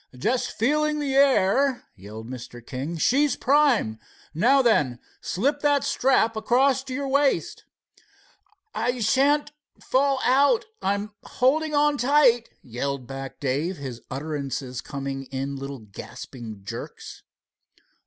"Just feeling the air," yelled Mr. King. "She's prime. Now then, slip that strap across your waist." "I shan't fall out. I'm holding on tight," yelled back Dave, his utterance coming in little gasping jerks.